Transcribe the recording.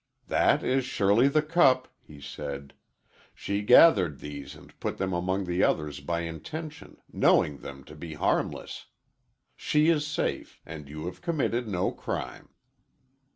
"That is surely the cup," he said. "She gathered these and put them among the others by intention, knowing them to be harmless. She is safe, and you have committed no crime."